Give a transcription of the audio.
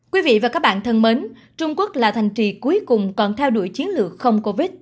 quý vị và các bạn thân mến trung quốc là thành trì cuối cùng còn theo đuổi chiến lược không covid